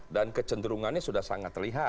dan kecenderungannya sudah sangat terlihat